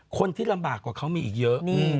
คนที่ลำบากกว่าเขามีอีกเยอะ